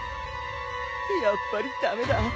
やっぱり駄目だ。